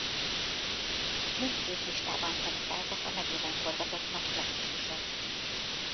Mindkét listában szerepeltek a megyében forgatott nagy klasszikusok.